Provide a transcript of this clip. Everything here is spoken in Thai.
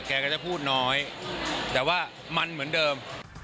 แกก็จะพูดน้อยแต่ว่ามันเหมือนเดิม